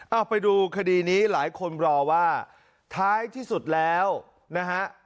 เอาไปดูคดีนี้หลายคนรอว่าท้ายที่สุดแล้วนะฮะ